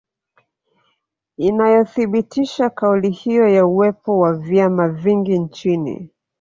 Inayothibitisha kauli hiyo ya uwepo wa vyama vingi nchini